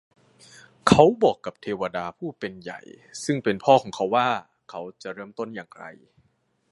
เขาบอกกับเทวดาผู้เป็นใหญ่ซึ่งเป็นพ่อของเขาว่า เขาจะเริ่มต้นอย่างไร